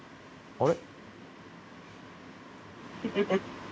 あれ？